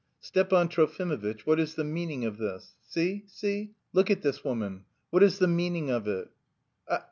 "Stepan Trofimovitch, what is the meaning of this? See, see, look at this woman, what is the meaning of it?"